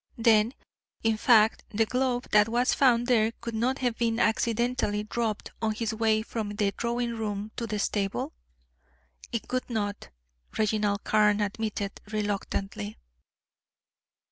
"Then, in fact, the glove that was found there could not have been accidentally dropped on his way from the drawing room to the stable?" "It could not," Reginald Carne admitted, reluctantly.